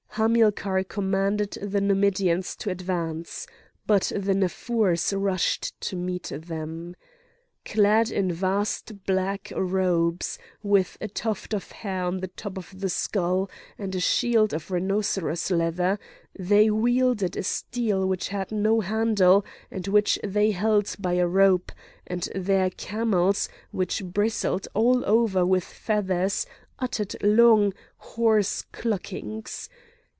Hamilcar commanded the Numidians to advance. But the Naffurs rushed to meet them. Clad in vast black robes, with a tuft of hair on the top of the skull, and a shield of rhinoceros leather, they wielded a steel which had no handle, and which they held by a rope; and their camels, which bristled all over with feathers, uttered long, hoarse cluckings.